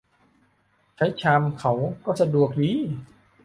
ใช้ชามเขาก็สะดวกดี